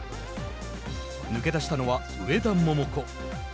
抜け出したのは上田桃子。